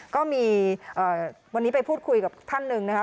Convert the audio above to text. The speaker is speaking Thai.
ก็มีวันนี้ไปพูดคุยกับท่านหนึ่งนะคะ